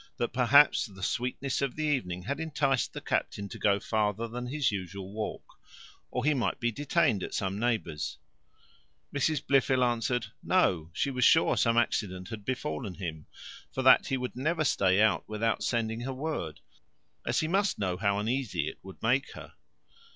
That, perhaps the sweetness of the evening had inticed the captain to go farther than his usual walk: or he might be detained at some neighbour's. Mrs Blifil answered, No; she was sure some accident had befallen him; for that he would never stay out without sending her word, as he must know how uneasy it would make her.